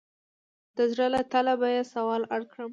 د زړه له تله به یې سوال اړ کړم.